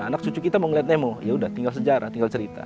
anak cucu kita mau lihat nemo yaudah tinggal sejarah tinggal cerita